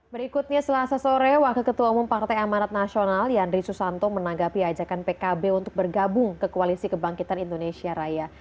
berikutnya selasa sore wakil ketua umum partai amanat nasional yandri susanto menanggapi ajakan pkb untuk bergabung ke koalisi kebangkitan indonesia raya